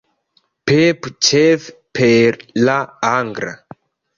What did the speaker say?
Pepu ĉefe per la angla